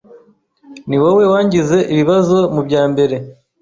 Niwowe wangize ibibazo mubyambere.